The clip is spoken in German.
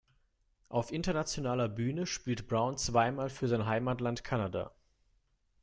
Auf internationaler Bühne spielte Brown zweimal für sein Heimatland Kanada.